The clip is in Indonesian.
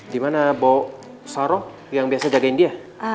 di mana bok saro yang biasa jagain dia